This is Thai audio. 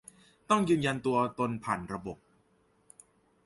ต้องยืนยันตัวตนผ่านระบบ